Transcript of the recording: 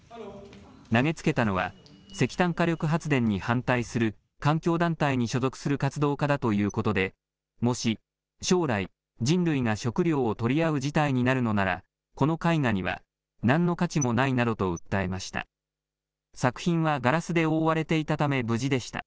投げつけたのは石炭火力発電に反対する環境団体に所属する活動家だということでもし将来人類が食料を取り合う事態になるのならこの絵画には何の価値もないなどと訴えました。